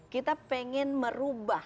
kita pengen merubah